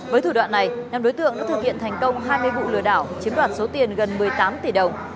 với thủ đoạn này năm đối tượng đã thực hiện thành công hai mươi vụ lừa đảo chiếm đoạt số tiền gần một mươi tám tỷ đồng